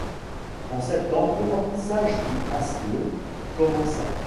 En septembre, le remplissage du Hálslón commença.